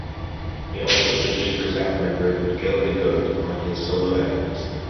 He also produced for Zapp member Dale DeGroat on his solo efforts.